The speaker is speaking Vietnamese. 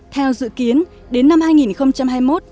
theo dự kiến đến năm hai nghìn hai mươi một